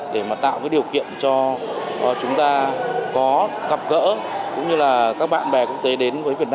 để mà tạo cái điều kiện cho chúng ta có gặp gỡ cũng như là các bạn bè